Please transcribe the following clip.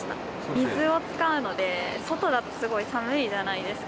水を使うので、外だとすごい寒いじゃないですか。